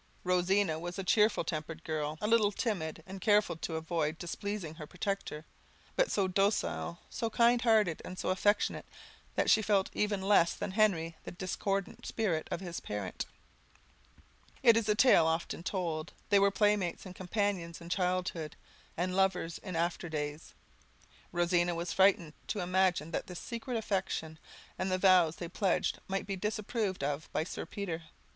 Rosina was a cheerful tempered girl, a little timid, and careful to avoid displeasing her protector; but so docile, so kind hearted, and so affectionate, that she felt even less than Henry the discordant spirit of his parent. It is a tale often told; they were playmates and companions in childhood, and lovers in after days. Rosina was frightened to imagine that this secret affection, and the vows they pledged, might be disapproved of by Sir Peter.